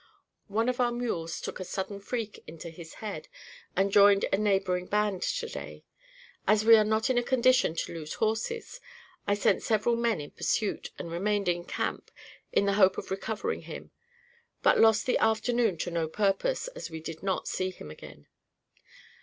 One of our mules took a sudden freak into his head, and joined a neighboring band to day. As we are not in a condition to lose horses, I sent several men in pursuit, and remained in camp, in the hope of recovering him; but lost the afternoon to no purpose, as we did not see him again.